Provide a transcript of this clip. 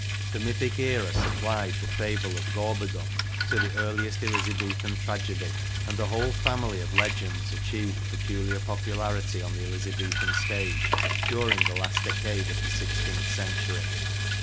The mythic era supplied the fable of Gprboduc to the earliest Elizabethan tragedy, and the whole family of legends achieved peculiar popularity on the Elizabethan stage during the last decade of the sixteenth century.